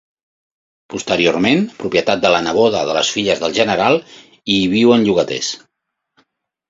Posteriorment propietat de la neboda de les filles del general i hi viuen llogaters.